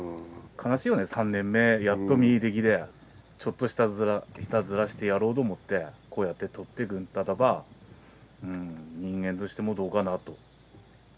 悲しいよね、３年目、やっと実出来て、ちょっとしたいたずらしてやろうと思って、こうやってとっていくんであれば、人間としてもどうかなと。